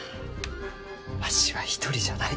わしは一人じゃない。